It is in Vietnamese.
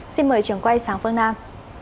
xin mời trường quay sang phương nam